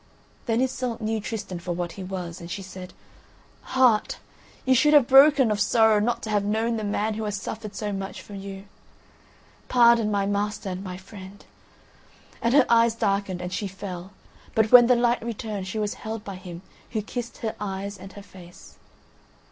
Then Iseult knew Tristan for what he was, and she said: "Heart, you should have broken of sorrow not to have known the man who has suffered so much for you. Pardon, my master and my friend." And her eyes darkened and she fell; but when the light returned she was held by him who kissed her eyes and her face.